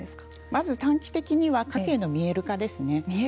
まず短期的には家計の見える化ですね。